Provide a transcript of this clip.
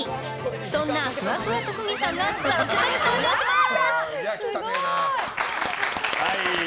そんな、ふわふわ特技さんが続々登場します！